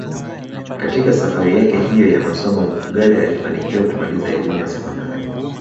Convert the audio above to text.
Katika safari yake hiyo ya masomo Mfugale alifanikiwa kumaliza elimu ya sekondari